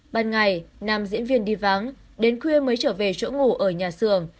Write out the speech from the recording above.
ban ngày nam diễn viên đi vắng đến khuya mới trở về chỗ ngủ ở nhà xưởng